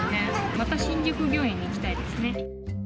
また新宿御苑に行きたいですね。